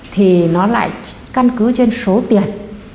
thì nó lại căn cứ trên số tiền